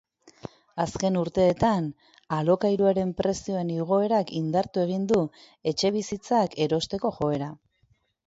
Azken urteetan, alokairuen prezioen igoerak indartu egin du etxebizitzak erosteko joera.